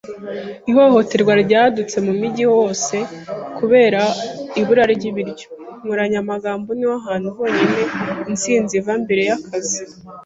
Ihohoterwa ryadutse mu mujyi wose kubera ibura ry'ibiryo. Inkoranyamagambo niho hantu honyine intsinzi iva mbere yakazi.